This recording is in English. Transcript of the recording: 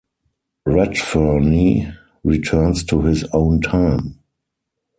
Redferne returns to his own time.